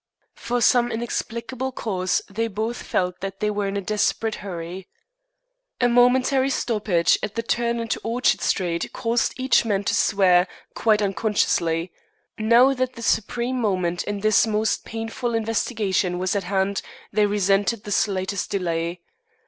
For some inexplicable cause they both felt that they were in a desperate hurry. A momentary stoppage at the turn into Orchard Street caused each man to swear, quite unconsciously. Now that the supreme moment in this most painful investigation was at hand they resented the slightest delay.